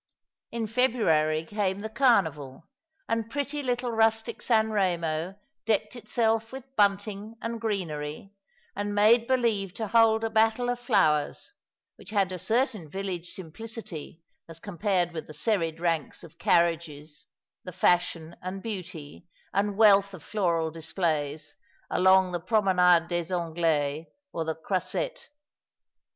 In February came the Carnival ; and pretty little rustic San Eemo decked itself with bunting and greenery, and made believe to hold a Battle of Flowers, which had a certain village simplicity as compared with the serried ranks of carriages, the fashion, and beauty, and wealth of floral displays, along the Promenade des Anglais or the Croisetto.